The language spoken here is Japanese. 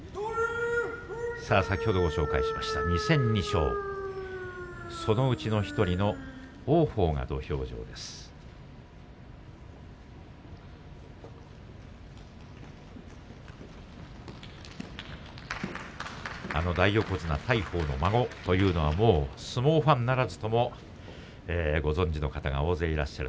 先ほど、ご紹介した２戦２勝そのうちの１人の王鵬が土俵に上がっています。